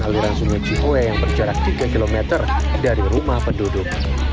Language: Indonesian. aliran suhu cihue yang berjarak tiga kilometer dari rumah penduduk